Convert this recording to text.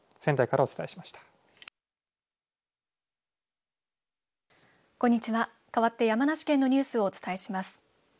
かわって山梨県のニュースをお伝えします。